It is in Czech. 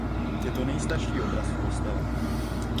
Je to nejstarší obraz v kostele.